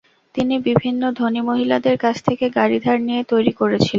তিনি বিভিন্ন ধনী মহিলাদের কাছ থেকে গাড়ি ধার নিয়ে তৈরী করেছিলেন।